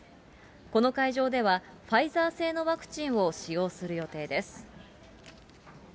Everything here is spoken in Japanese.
この会場では、ファイザー製のワクチンを使用する予定です。